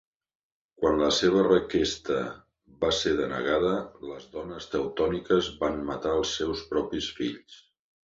Quan la seva requesta va ser denegada, les dones teutòniques van matar als seus propis fills.